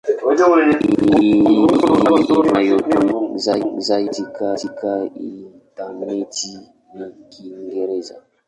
Hii inayotumika zaidi katika intaneti ni Kiingereza.